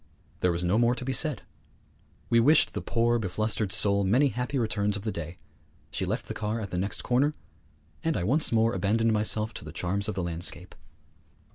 There was no more to be said. We wished the poor beflustered soul many happy returns of the day; she left the car at the next corner; and I once more abandoned myself to the charms of the landscape.